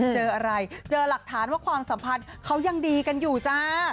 เจออะไรเจอหลักฐานว่าความสัมพันธ์เขายังดีกันอยู่จ้า